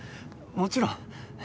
もちろん！